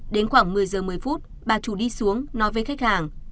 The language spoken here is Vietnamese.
đến khoảng một mươi giờ một mươi phút bà chủ đi xuống nói với khách hàng